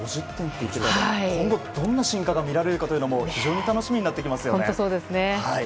今後どんな進化が見られるかが非常に楽しみになってきますね。